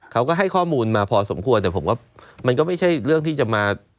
เขาก็ให้ข้อมูลมาพอสมควรแต่ผมว่ามันก็ไม่ใช่เรื่องที่จะมา